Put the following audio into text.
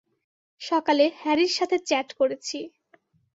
সকালে, হ্যারির সাথে চ্যাট করেছি।